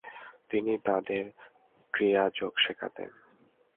তিনি তাদের ক্রিয়াযোগ শেখাতেন।